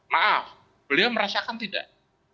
maaf beliau merasakan tidak